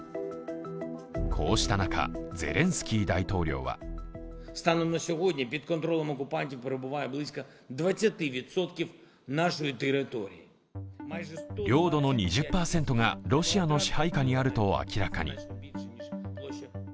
こうした中、ゼレンスキー大統領は領土の２０％がロシアの支配下にあると明らかに。